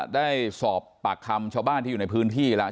ได้สอบปากคำชาวบ้านที่อยู่ในพื้นที่แล้ว